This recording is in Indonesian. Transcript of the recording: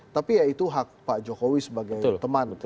tapi ya itu hak pak jokowi sebagai teman